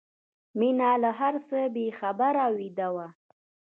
مينه له هر څه بې خبره ویده وه